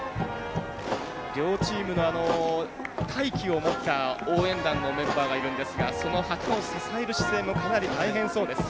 両チームの大旗を持った応援団のメンバーがいるんですがその旗を支える姿勢もかなり大変そうです。